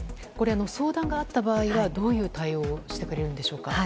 相談があった場合はどういう対応をしてくれるんでしょうか。